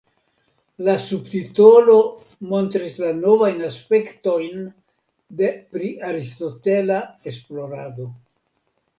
La subtitolo montris la novajn aspektojn de priaristotela esplorado.